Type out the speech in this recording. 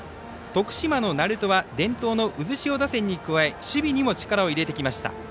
徳島の鳴門は伝統の渦潮打線に加え守備にも力を入れてきました。